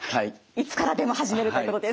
いつからでも始めることですね。